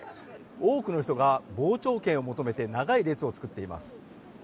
多くの人が傍聴券を求めて長い列を作っています。